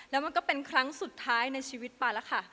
แล้วมันก็เป็นครั้งสุดท้ายในชีวิตปาแล้วค่ะ